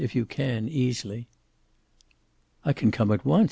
"If you can, easily." "I can come at once.